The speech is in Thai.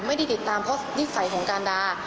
ไม่ได้ติดตามเพราะนิสัยของการดา